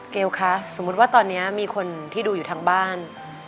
เกลคะสมมุติว่าตอนนี้มีคนที่ดูอยู่ทางบ้าน